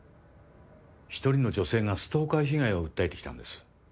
１人の女性がストーカー被害を訴えてきたんです。